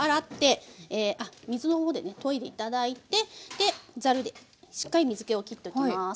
あっ水の方でねといで頂いてざるでしっかり水けをきっておきます。